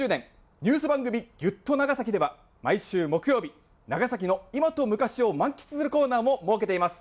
ニュース番組「ぎゅっと！長崎」では毎週木曜日、長崎の今と昔を満喫するコーナーも設けています。